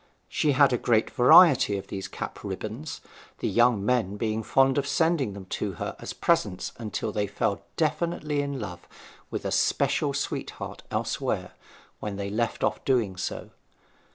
She had a great variety of these cap ribbons, the young men being fond of sending them to her as presents until they fell definitely in love with a special sweetheart elsewhere, when they left off doing so.